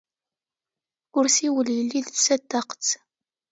Kursi wel yelli dessat taqqet.